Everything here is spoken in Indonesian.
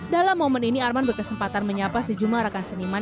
dalam momen ini arman berkesempatan menyapa sejumlah rekan seniman